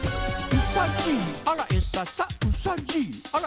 「うさじいあらえっ